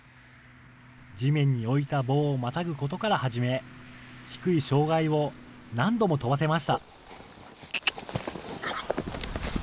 地面に置いた棒をまたぐことから始め、低い障害を何度も飛ばせました。